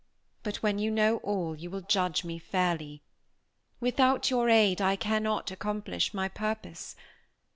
But when you know all, you will judge me fairly. Without your aid I cannot accomplish my purpose.